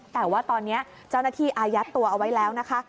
แต่ว่าตอนนี้เจ้าหน้าที่อายัดตัวเอาไว้แล้วนะคะ